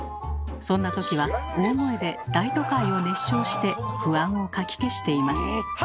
そんな時は大声で「大都会」を熱唱して不安をかき消しています。